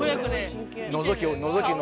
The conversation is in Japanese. のぞきのぞきも。